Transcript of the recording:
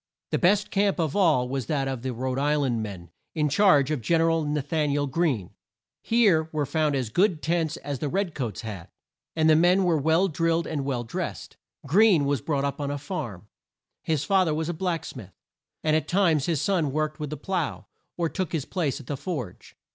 The best camp of all was that of the Rhode Is land men in charge of Gen er al Na than i el Greene. Here were found as good tents as the red coats had, and the men were well drilled and well dressed. Greene was brought up on a farm. His fa ther was a black smith, and at times his son worked with the plough, or took his place at the forge.